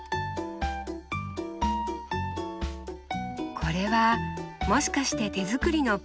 これはもしかして手作りのパンですか？